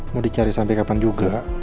mau dicari sampai kapan juga